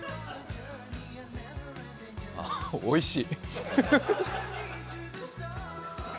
あ、おいしい。